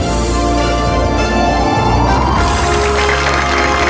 โชว์สี่ภาคจากอัลคาซ่าครับ